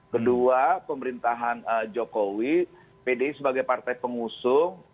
kedua pemerintahan jokowi pdi sebagai partai pengusung